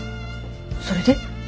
それで？